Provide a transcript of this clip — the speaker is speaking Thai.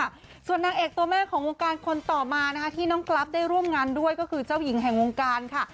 ค่ะส่วนนางเอกตัวแม่ของวงการคนต่อมานะคะที่น้องกราฟได้ร่วมงานด้วยก็คือเจ้าหญิงแห่งวงการค่ะ